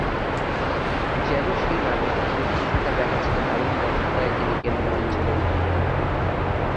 যেন সেই নাবিক, ডুবতে থাকা জাহাজকে দারুণ দক্ষতায় যিনি টেনে আনছিলেন তীরে।